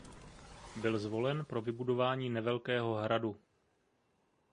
Byl zvolen pro vybudování nevelkého hradu.